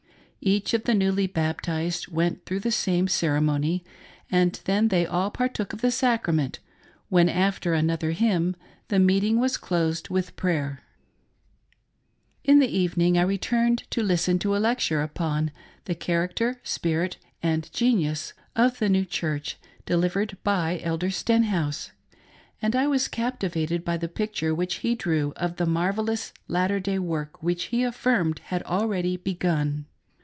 Each of the newly baptized went through the same cere mony, and then they all partook of the sacrament, when, after another hymn, the meeting was closed with prayer. In the evening I returned to listen to a lecture upon " the character, spirit, and genius " of the new church, delivered by 52 ELDER STENHOUSE DELIVERS A LECTURE. Elder Stenhouse; and I was captivated by the picture which he drew of the marvejlpus latter day work which he affirmed had already begun.